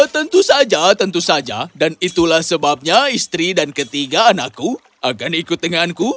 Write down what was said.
tentu saja tentu saja dan itulah sebabnya istri dan ketiga anakku akan ikut denganku